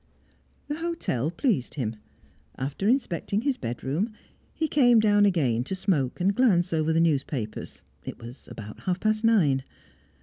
The hotel pleased him. After inspecting his bedroom, he came down again to smoke and glance over the newspapers; it was about half past nine.